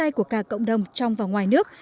tâm tay của cả cộng đồng trong và ngoài nước